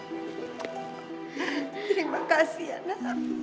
terima kasih ya inang